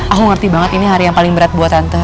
aku ngerti banget ini hari yang paling berat buatan